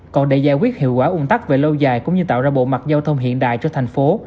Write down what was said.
còn để giải quyết hiệu quả ung tắc về lâu dài cũng như tạo ra bộ mặt giao thông hiện đại cho thành phố